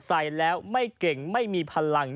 ใส่แล้วไม่เก่งไม่มีพลัง